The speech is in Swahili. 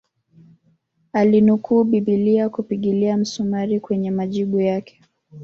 Alinukuu bibilia kupigilia msumari kwenye majibu yake